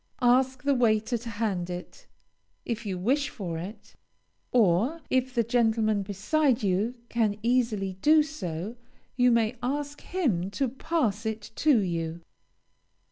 Ask the waiter to hand it, if you wish for it; or, if the gentleman beside you can easily do so, you may ask him to pass it to you.